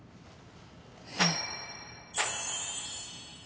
えっ。